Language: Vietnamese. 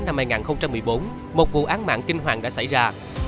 đêm một mươi hai tháng tám năm hai nghìn một mươi bốn một vụ án mạng kinh hoàng đã xảy ra